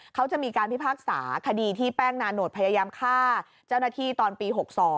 เขาจะมีการพิพากษาคดีที่แป้งนานโหดพยายามฆ่าเจ้าหน้าที่ตอนปี๖๒